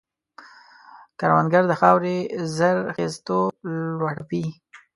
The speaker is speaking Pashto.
کروندګر د خاورې زرخېزتوب لوړوي